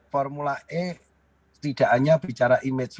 formula e tidak hanya bicara image